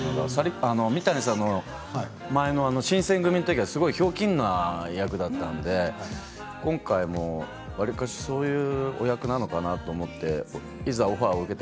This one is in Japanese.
三谷さんの前の「新選組！」のときはひょうきんな役だったので今回も、わりかしそういうお役なのかなと思っていていざ